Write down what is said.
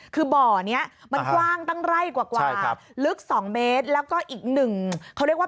คือบ่อนี้มันกว้างตั้งไร่กว่า